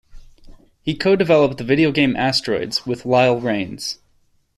He co-developed the video game "Asteroids" with Lyle Rains.